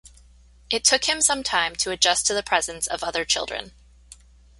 It took him some time to adjust to the presence of other children.